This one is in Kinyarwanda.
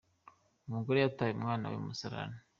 Umugore yataye umwana mu musarane